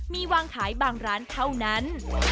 มีวางขายบางร้านเท่านั้น